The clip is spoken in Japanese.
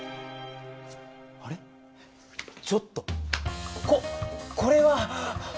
あれ⁉ちょっとここれは！